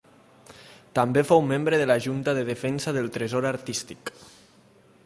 També fou membre de la Junta de Defensa del Tresor Artístic.